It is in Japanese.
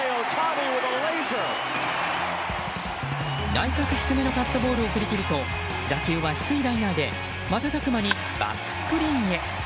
内角低めのカットボールを振り切ると打球は低いライナーで瞬く間にバックスクリーンへ。